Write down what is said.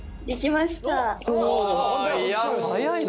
早いな。